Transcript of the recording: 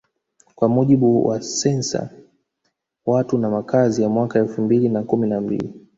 Kwa mujibu wasensa Watu na Makazi ya mwaka elfu mbili na kumi na mbili